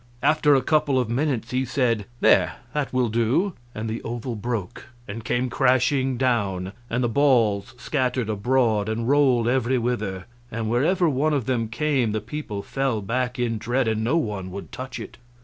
After a couple of minutes he said, "There, that will do," and the oval broke and came crashing down, and the balls scattered abroad and rolled every whither. And wherever one of them came the people fell back in dread, and no one would touch it.